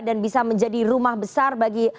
dan bisa menjadi rumah besar bagi